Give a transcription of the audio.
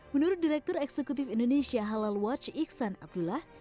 menurut direktur eksekutif indonesia halal watch iksan abdullah